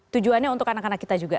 tujuannya untuk anak anak kita juga